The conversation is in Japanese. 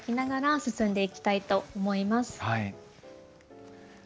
はい。